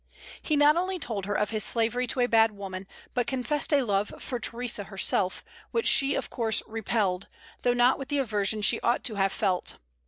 He not only told her of his slavery to a bad woman, but confessed a love for Theresa herself, which she of course repelled, though not with the aversion she ought to have felt.